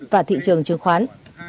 và thị trường chứng khoán